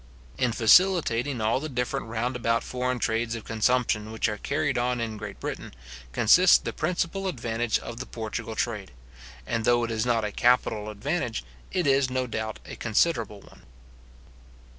In facilitating all the different round about foreign trades of consumption which are carried on in Great Britain, consists the principal advantage of the Portugal trade; and though it is not a capital advantage, it is, no doubt, a considerable one.